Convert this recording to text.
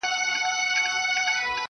• چي مي غزلي ورته لیکلې -